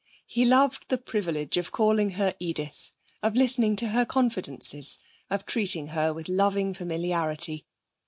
He loved the privilege of calling her Edith, of listening to her confidences, of treating her with loving familiarity.